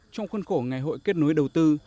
trong khuôn khổ ngày hội kết nối đầu tư